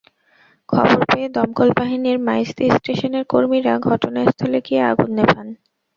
খবর পেয়ে দমকল বাহিনীর মাইজদী স্টেশনের কর্মীরা ঘটনাস্থলে গিয়ে আগুন নেভান।